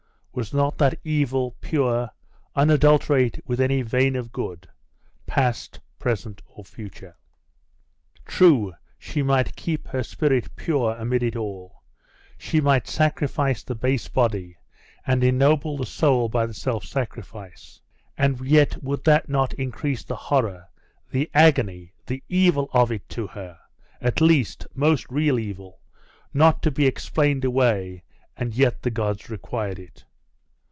was not that evil pure, unadulterate with any vein of good, past, present, or future?... True; she might keep her spirit pure amid it all; she might sacrifice the base body, and ennoble the soul by the self sacrifice .... And yet, would not that increase the horror, the agony, the evil of it to her, at least, most real evil, not to be explained away and yet the gods required it?